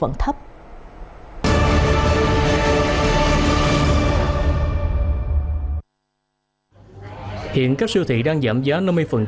kính thưa quý vị mặc dù hiện nay khắp các chợ siêu thị cửa hàng điểm bán rẻ nhưng sức tiêu thụ vẫn thấp